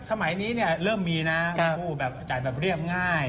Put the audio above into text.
ใช่สมัยนี้เริ่มมีนะผู้จ่ายแบบเรียบง่าย